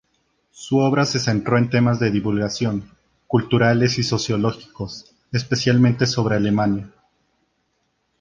Su obra se centró en temas de divulgación, culturales y sociológicos, especialmente sobre Alemania.